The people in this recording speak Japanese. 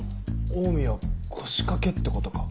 オウミは腰掛けってことか？